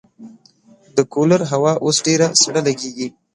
د کولر هوا اوس ډېره سړه لګېږي.